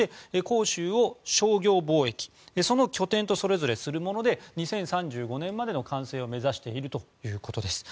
広州を商業貿易それぞれその拠点とするもので２０３５年までの完成を目指しているということです。